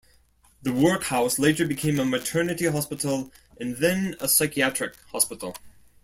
The workhouse later became a maternity hospital and then a psychiatric hospital.